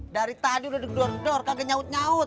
dari tadi udah gedor gedor kagak nyaut nyaut